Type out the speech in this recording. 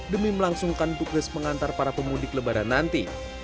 demi melangsungkan tugas pengantar para pemudik lebaran nanti